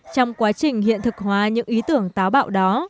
trong quá trình hiện thực hóa những ý tưởng táo bạo đó